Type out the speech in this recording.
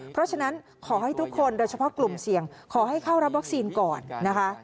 เพราะฉะนั้นขอให้ทุกคนโดยเฉพาะกลุ่มเสี่ยงขอให้เข้ารับวัคซีนก่อนนะคะ